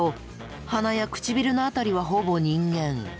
鼻や唇の辺りはほぼ人間。